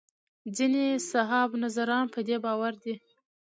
ځینې صاحب نظران په دې باور دي.